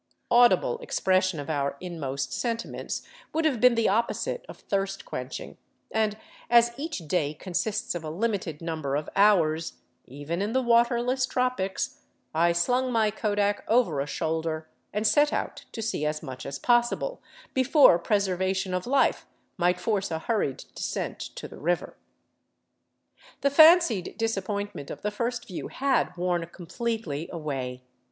Audible expression of our inmost sentiments would have been the opposite of thirst quenching, and as each day consists 'of a limited number of hours, even in the waterless tropics, I slung my kodak over a shoulder and set out to see as much as possible before preservation of life might force a hurried descent to the river. The fancied dis appointment of the first view had worn completely away.